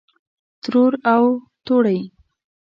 ترور او توړۍ